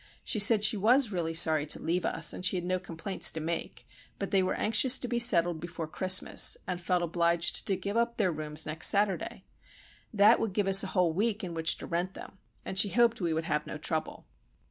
She said she was really sorry to leave us, that she had no complaints to make; but they were anxious to be settled before Christmas, and felt obliged to give up their rooms next Saturday. That would give us a whole week in which to rent them, and she hoped we would have no trouble.